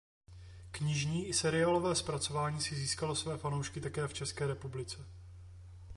Knižní i seriálové zpracování si získalo své fanoušky také v České republice.